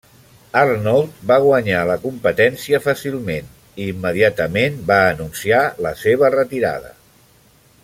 Arnold va guanyar la competència fàcilment i immediatament va anunciar la seva retirada.